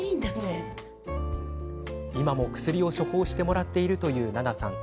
今も薬を処方してもらっているという奈々さん。